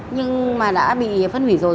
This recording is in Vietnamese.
nhưng mà đã bị phân hủy rồi